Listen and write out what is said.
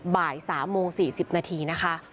บ่าย๓โมง๔๐นาทีนะคะ